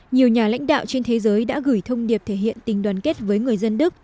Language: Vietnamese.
nhiều nhà lãnh đạo trên thế giới đã gửi thông điệp thể hiện tình đoàn kết với người dân đức